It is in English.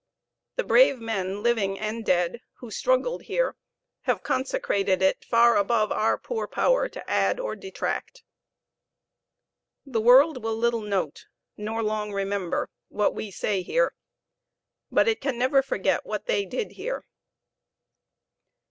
The brave men, living and dead, who struggled here have consecrated it, far above our poor power to add or detract. The world will little note, nor long remember, what we say here, but it can never forget what they did here.